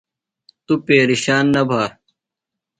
توۡ پیرشان نہ بھہ۔